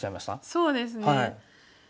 そうですね。